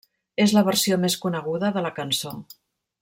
És la versió més coneguda de la cançó.